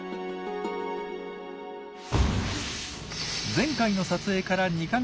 前回の撮影から２か月。